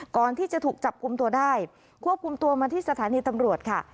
ก่อนที่จะถูกจับกลุ่มตัวได้ควบคุมตัวมาที่สถานีตำรวจค่ะ